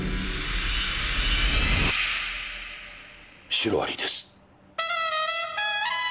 シロアリです。